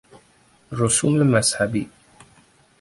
رسوم مذهبی